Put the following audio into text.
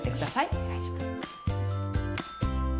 お願いします。